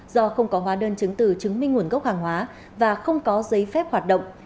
do không có hóa đơn chứng từ chứng minh nguồn gốc hàng hóa và không có giấy phép hoạt động